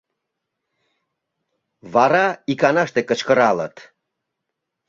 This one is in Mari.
Вара иканаште кычкыралыт.